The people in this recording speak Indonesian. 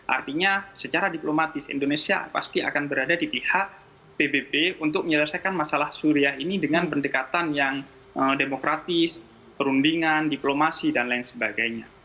artinya secara diplomatis indonesia pasti akan berada di pihak pbb untuk menyelesaikan masalah suriah ini dengan pendekatan yang demokratis perundingan diplomasi dan lain sebagainya